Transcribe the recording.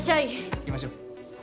行きましょう。